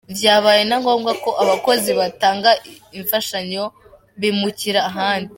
Vyabaye na ngombwa ko abakozi batanga imfashanyo bimukira ahandi.